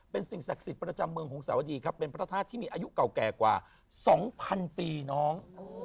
เป็นสิ่งศักดิ์สิทธิ์ประจำเมืองของสาวดีครับเป็นพระธาตุที่มีอายุเก่าแก่กว่า๒๐๐๐ปีน้อง